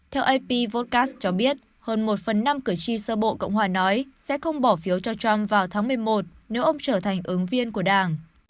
theo ap vocas cho biết hơn một phần năm cử tri sơ bộ cộng hòa nói sẽ không bỏ phiếu cho trump vào tháng một mươi một nếu ông trở thành ứng viên của đảng